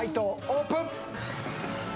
オープン